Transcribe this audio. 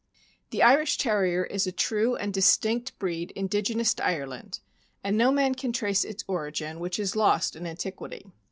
The Irish Terrier is a true and distinct breed indigenous to Ireland, and no man can trace its origin, which is lost in antiquity.